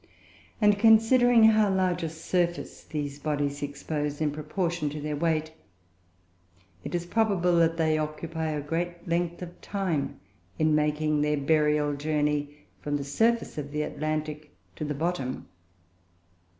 And considering how large a surface these bodies expose in proportion to their weight, it is probable that they occupy a great length of time in making their burial journey from the surface of the Atlantic to the bottom.